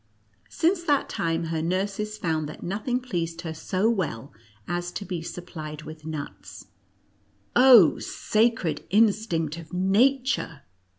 Since that time her nurses found that nothing pleased her so well as to be supplied with nuts. " Oh, sacred instinct of Nature!